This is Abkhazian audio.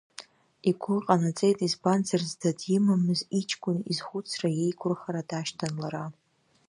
Игәы ҟанаҵеит, избанзар, зда димамыз иҷкәын изхәыцра иеиқәырхара дашьҭан лара.